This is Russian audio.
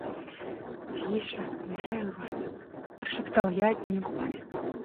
— Тише, умоляю вас, — прошептал я одними губами.